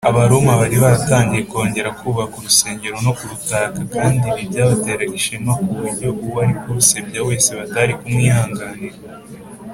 abaroma bari baratangiye kongera kubaka urusengero no kurutaka, kandi ibi byabateraga ishema; ku buryo uwari kurusebya wese batari kumwihanganira